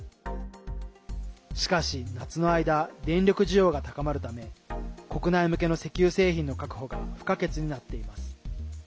しかし、夏の間電力需要が高まるため国内向けの石油製品の確保が不可欠になっています。